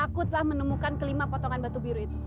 aku telah menemukan kelima potongan batu biru itu